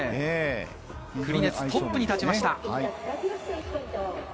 クリネツ、トップに立ちました。